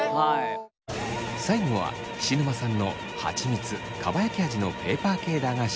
最後は菱沼さんのはちみつかばやき味のペーパー系駄菓子